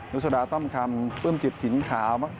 นุสดาต้อมคำปื้มจิตหินขาว